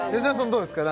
どうですか？